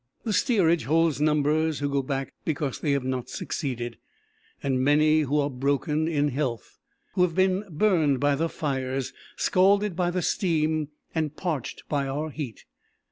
The steerage holds numbers who go back because they have not succeeded, and many who are broken in health, who have been burned by the fires, scalded by the steam and parched by our heat.